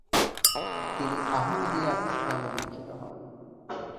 তিনি আহমদীয়া ইসলামে দীক্ষিত হন।